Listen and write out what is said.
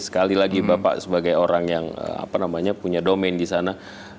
sekali lagi bapak sebagai orang yang punya domain di sana